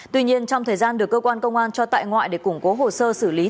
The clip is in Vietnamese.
tuy nhiên trong thời gian được cơ quan công an cho tại ngoại để củng cố hồ sơ xử lý